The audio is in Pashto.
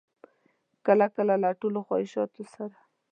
کله کله له ټولو خواهشاتو سره.